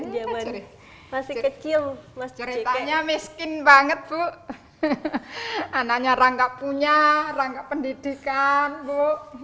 zaman masih kecil mas ceritanya miskin banget bu anaknya rangka punya rangka pendidikan bu